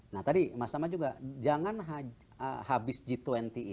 nah tadi mas tama juga jangan habis g dua puluh ini